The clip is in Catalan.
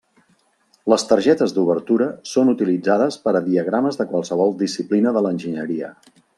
Les targetes d'obertura són utilitzades per a diagrames de qualsevol disciplina de l'enginyeria.